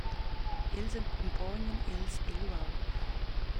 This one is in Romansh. Els accumpognan els egl uaul.